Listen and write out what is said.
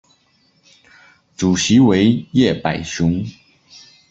主席为叶柏雄。